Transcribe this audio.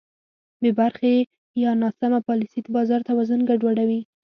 بېبرخې یا ناسمه پالیسي د بازار توازن ګډوډوي.